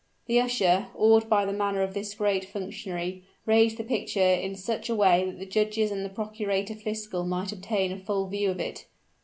The usher, awed by the manner of this great functionary, raised the picture in such a way that the judges and the procurator fiscal might obtain a full view of it.